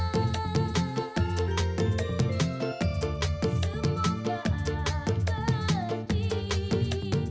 kau pandang wajahku